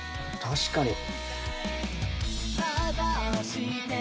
確かに。